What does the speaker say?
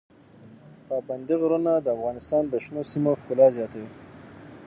پابندي غرونه د افغانستان د شنو سیمو ښکلا زیاتوي.